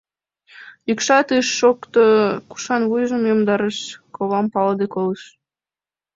Йӱкшат ыш шокто, кушан вуйжым йомдарыш, ковам палыде колыш.